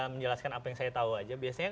menjelaskan apa yang saya tahu aja biasanya